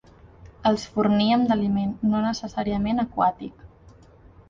Els forníem d'aliment, no necessàriament aquàtic.